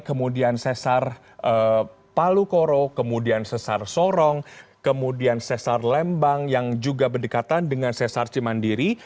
kemudian sesar palu koro kemudian sesar sorong kemudian sesar lembang yang juga berdekatan dengan sesar cimandiri